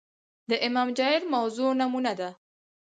د امام جائر موضوع نمونه ده